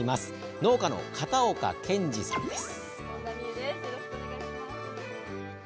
農家の片岡謙治さんです。